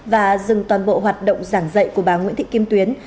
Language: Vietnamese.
và dừng toàn bộ hoạt động giảng dạy của bà nguyễn thị kim tuyến